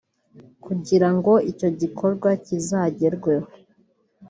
kugira ngo icyo gikorwa kizagerweho